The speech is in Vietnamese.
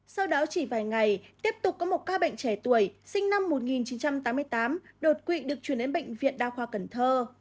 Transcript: sau đó chỉ vài ngày tiếp tục có một ca bệnh trẻ tuổi sinh năm một nghìn chín trăm tám mươi tám đột quỵ được chuyển đến bệnh viện đa khoa cần thơ